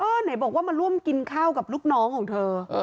ไหนบอกว่ามาร่วมกินข้าวกับลูกน้องของเธอ